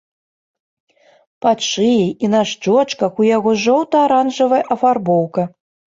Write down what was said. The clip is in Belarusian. Пад шыяй і на шчоках у яго жоўта-аранжавая афарбоўка.